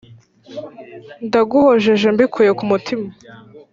ndaguhojeje mbikuye k’umutima